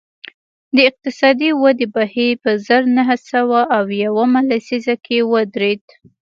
د اقتصادي ودې بهیر په زر نه سوه اویا یمه لسیزه کې ودرېد